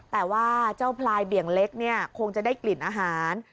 แต่ว่าเจ้าพลายเบี่ยงเล็กเนี่ยคงจะได้กลิ่นอาหาร